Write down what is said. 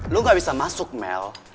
lu gak bisa masuk mel